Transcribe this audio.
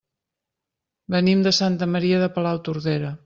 Venim de Santa Maria de Palautordera.